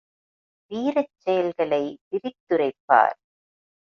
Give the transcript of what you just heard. வீரச் செயல்களை விரித்துரைப்பார்.